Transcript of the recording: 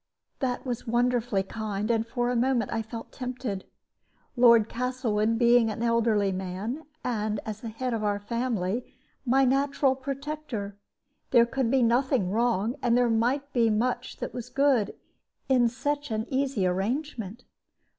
This was wonderfully kind, and for a moment I felt tempted. Lord Castlewood being an elderly man, and, as the head of our family, my natural protector, there could be nothing wrong, and there might be much that was good, in such an easy arrangement.